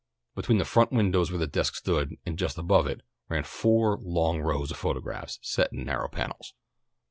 Between the front windows where the desk stood, and just above it, ran four long rows of photographs set in narrow panels.